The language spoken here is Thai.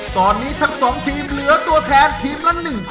ตอนนี้ทั้ง๒ทีมเหลือตัวแทนทีมละ๑๐๐